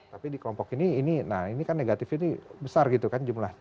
tapi di kelompok ini ini nah ini kan negatif ini besar gitu kan jumlah